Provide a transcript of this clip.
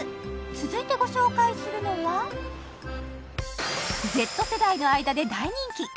続いてご紹介するのはＺ世代の間で大人気！